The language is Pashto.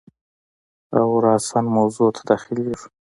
او راساً موضوع ته داخلیږو.